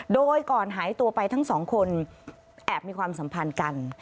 โดยก่อนหายตัวไปทั้งสองคนแอบมีความสัมพันธ์กัน